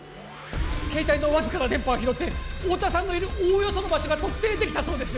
携帯のわずかな電波を拾って太田さんのいるおおよその場所が特定できたそうです